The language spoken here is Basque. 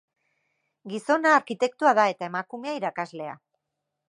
Gizona arkitektoa da eta emakumea irakaslea.